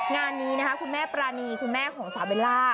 งานนี้นะคะคุณแม่ปรานีคุณแม่ของสาวเบลล่า